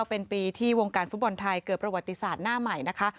เป็นปีที่วงการฟุตบอลไทยเกิดประวัติศาสตร์หน้าใหม่นะคะ